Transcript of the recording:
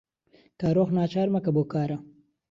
کارۆخ ناچار مەکە بەو کارە.